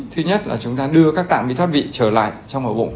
thứ nhất là chúng ta đưa các tạng bị thoát vị trở lại trong ổ bụng